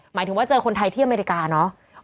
หมายถึงว่าเจอคนไทยที่อเมริกาเนอะ